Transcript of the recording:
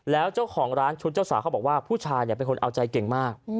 แล้วเจ้าของร้านชุดเจ้าสาวเขาบอกว่าผู้ชายเป็นคนเอาใจเก่งมาก